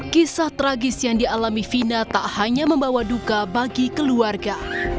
kisah tragis yang dialami vina tak hanya membawa duka bagi keluarga